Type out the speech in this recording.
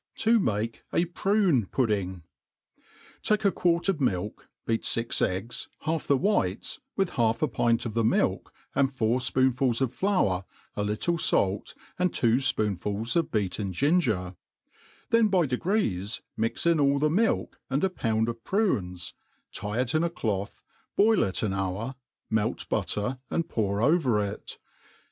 3V mati a PrwH'Pndding^ TAlfilE a quart'of milk, beat fix eggs, half the whiteS|> witlt half a pint of the n^ilk,* and four fpoonfuls offlottr, a liOle falty ami two i'poonfulai' of beaten ginger y then by degrees mix in aU the milk, and a pound of prunes, tie it in a clothy betl it ztk hour, melt butter and pour over it.